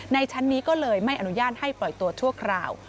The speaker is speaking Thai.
ชั้นนี้ก็เลยไม่อนุญาตให้ปล่อยตัวชั่วคราว